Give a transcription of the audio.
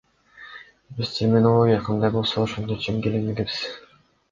Биз терминология кандай болсо ошондой чечмелегенбиз.